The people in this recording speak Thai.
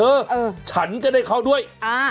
เออฉันจะได้เข้าด้วย